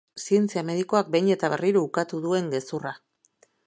Zientzia medikoak behin eta berriro ukatu duen gezurra.